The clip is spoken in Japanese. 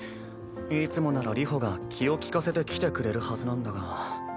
いつもなら流星が気を利かせて来てくれるはずなんだが。